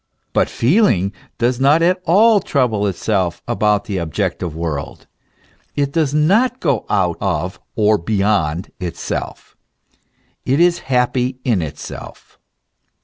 But feeling does not at all trouble itself about the objective world; it does not go out of or beyond itself; it is happy in itself.